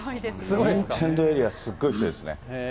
ニンテンドーエリア、すごいですね。